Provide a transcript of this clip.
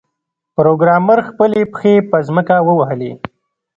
پروګرامر خپلې پښې په ځمکه ووهلې